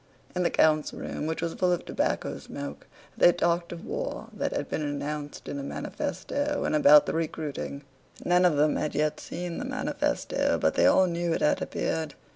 In the count's room, which was full of tobacco smoke, they talked of the war that had been announced in a manifesto, and about the recruiting. None of them had yet seen the manifesto, but they all knew it had appeared.